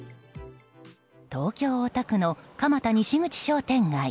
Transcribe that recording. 東京・大田区の蒲田西口商店街。